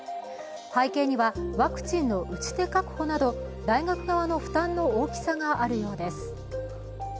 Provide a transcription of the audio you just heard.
背景にはワクチンの打ち手確保など大学側の負担の大きさがあるようです。